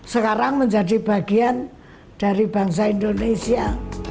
sekarang menjadi bagian dari bangsa indonesia